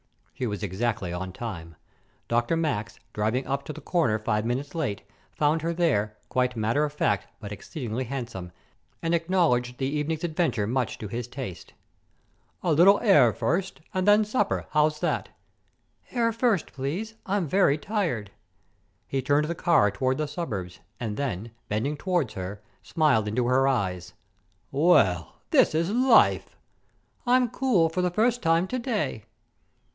She was exactly on time. Dr. Max, driving up to the corner five minutes late, found her there, quite matter of fact but exceedingly handsome, and acknowledged the evening's adventure much to his taste. "A little air first, and then supper how's that?" "Air first, please. I'm very tired." He turned the car toward the suburbs, and then, bending toward her, smiled into her eyes. "Well, this is life!" "I'm cool for the first time to day."